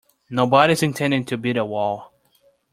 Nobody's intending to build a wall.